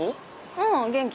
うん元気。